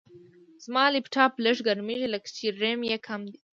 زما لپټاپ لږ ګرمېږي، لکه چې ریم یې کم دی.